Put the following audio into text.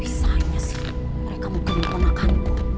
bisa bisanya sih mereka mungkin kebonakan